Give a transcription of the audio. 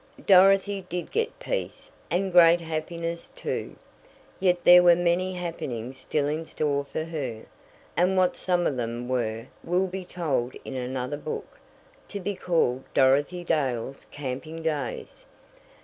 Dorothy did get peace, and great happiness, too. Yet there were many happenings still in store for her, and what some of them were will be told in another book, to be called "Dorothy Dale's Camping Days."